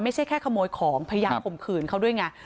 ไม่ใช่แค่ขโมยของพยายามข่มขืนเขาด้วยไง